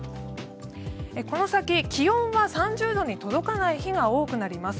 この先、気温は３０度に届かない日が多くなります。